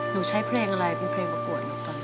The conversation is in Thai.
หนูใช้เพลงอะไรเป็นเพลงประกวดครับ